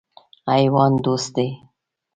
حیوان دوست دی.